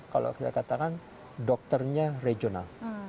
kalau kita katakan dokternya regional